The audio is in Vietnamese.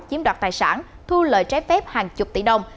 chiếm đoạt tài sản thu lợi trái phép hàng chục tỷ đồng